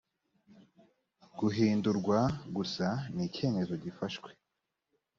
guhindurwa gusa n’icyemezo gifashwe